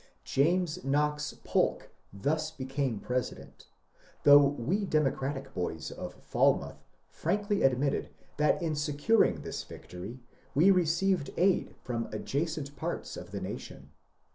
James Knox Polk thus became President, though we Democratic boys of Falmouth frankly admitted that in securing this victory we received aid from adjacent parts of the nation.